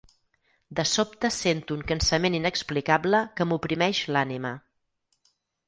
De sobte sento un cansament inexplicable que m'oprimeix l'ànima.